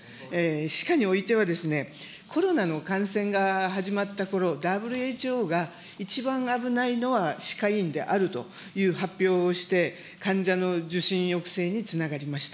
歯科においては、コロナの感染が始まったころ、ＷＨＯが、一番危ないのは歯科医院であるという発表をして、患者の受診抑制につながりました。